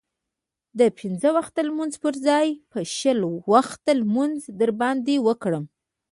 د پنځه وخته لمانځه پرځای به شل وخته لمونځ در باندې وکړم.